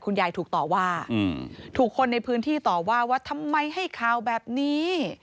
ยายถูกต่อว่าถูกคนในพื้นที่ต่อว่าว่าทำไมให้ข่าวแบบนี้